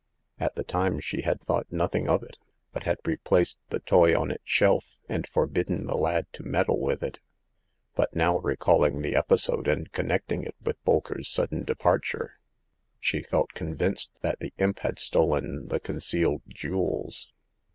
At the time she had thought nothing of it, but had replaced the toy on its shelf, and forbidden the lad to meddle with it. But now, recalling the episode, and connecting it with Bolker's sudden departure, she felt convinced that the imp had stolen the concealed jewels.